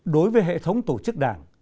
đối với hệ thống tổ chức đảng